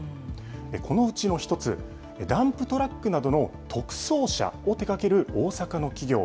このうちの１つ、ダンプトラックなどの特装車を手がける、大阪の企業。